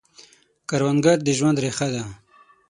کروندګر د ژوند ریښه ده